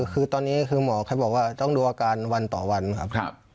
คือตอนนี้คือหมอเขาบอกว่าต้องดูอาการวันต่อวันครับ